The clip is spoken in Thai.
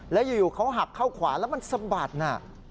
แล้วอยู่เขาหักเข้าขวาแล้วมันสะบัดน่ะ